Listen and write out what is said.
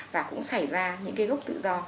và cũng xảy ra những gốc tự do